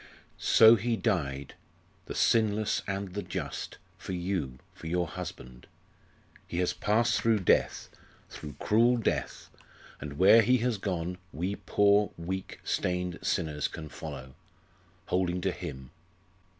"So He died the Sinless and the Just for you, for your husband. He has passed through death through cruel death; and where He has gone, we poor, weak, stained sinners can follow, holding to Him.